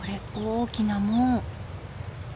大きな門。